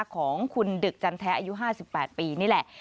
ของคุณดึกจันแท้อายุ๕๘ปีนี่แหละ